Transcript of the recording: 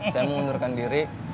saya mau mundurkan diri